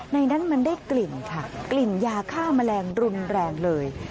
นั้นมันได้กลิ่นค่ะกลิ่นยาฆ่าแมลงรุนแรงเลย